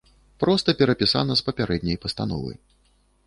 Проста перапісана з папярэдняй пастановы.